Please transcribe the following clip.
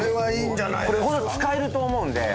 これホント使えると思うんで。